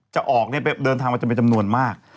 จะออกไปเดินทางมาจำนวนมาก